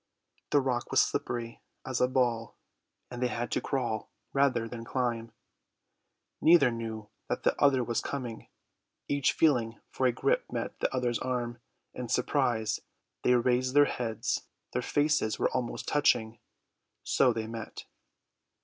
The rock was slippery as a ball, and they had to crawl rather than climb. Neither knew that the other was coming. Each feeling for a grip met the other's arm: in surprise they raised their heads; their faces were almost touching; so they met.